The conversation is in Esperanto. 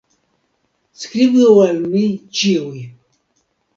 Skribu al mi ĉiuj!